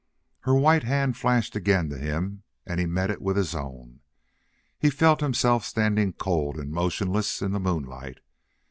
Her white hand flashed again to him, and he met it with his own. He felt himself standing cold and motionless in the moonlight.